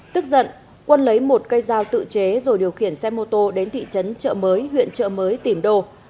tức giận quân lấy một cây dao tự chế rồi điều khiển xe mô tô đến thị trấn trợ mới huyện trợ mới tìm đô